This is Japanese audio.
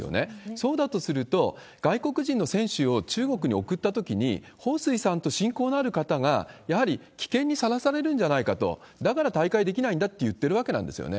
そうだとすると、外国人の選手を中国に送ったときに、彭帥さんと親交のある方が、やはり危険にさらされるんじゃないかと、だから大会できないんだっていってるわけなんですよね。